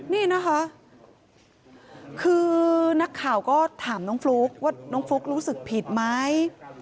นี่นะคะคือนักข่าวก็ถามน้องฟลุ๊กว่าน้องฟลุ๊กรู้สึกผิดไหม